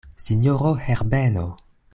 Sinjoro Herbeno!